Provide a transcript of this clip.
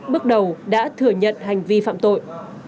bước đầu đã thừa nhận hành vi phạm tội